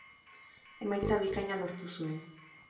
Emaitza bikaina lortu zuen.